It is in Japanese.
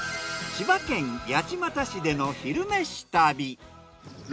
千葉県八街市での「昼めし旅」。